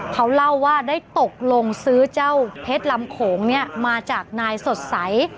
เขาเล่าว่าได้ตกลงซื้อเจ้าเพชรลำโขงมาจากนายสดใส